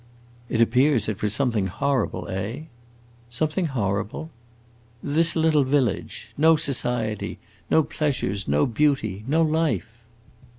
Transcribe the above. "It appears it was something horrible, eh?" "Something horrible?" "This little village. No society, no pleasures, no beauty, no life."